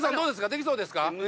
できそうですか？